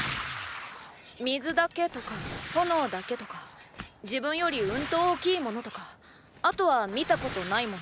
水だけとか炎だけとか自分よりうんと大きいものとかあとは見たことないもの。